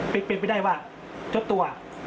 เปร็นไปได้ว่าจดตัว